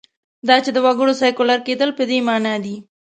دا چې د وګړو سیکولر کېدل په دې معنا دي.